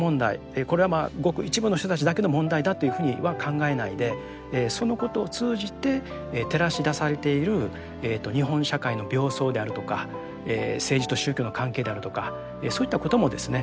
これはごく一部の人たちだけの問題だというふうには考えないでそのことを通じて照らし出されている日本社会の病巣であるとか政治と宗教の関係であるとかそういったこともですね